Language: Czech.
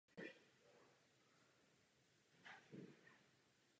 Projekt nakonec převzala městská firma.